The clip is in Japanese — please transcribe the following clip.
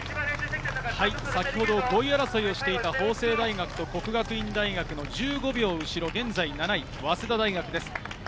先ほど５位争いをしていた法政大学と國學院大學の１５秒後ろ、現在７位、早稲田大学です。